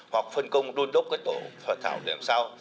hoặc phân công đôn đốc cái tổ thảo để làm sao